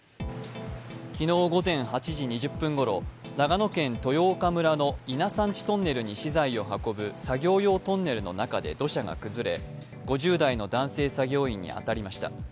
昨日午前８時２０分ごろ、長野県豊丘村の伊那山地トンネルに資材を運ぶ作業用トンネルの中で土砂が崩れ、５０代の男性作業員に当たりました。